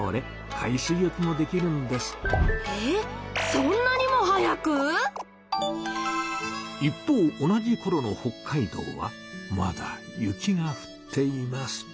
そんなにも早く⁉一方同じころの北海道はまだ雪がふっています。